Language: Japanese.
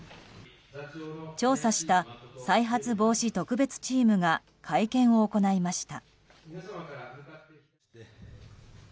調査した再発防止特別チームが会見を行いました。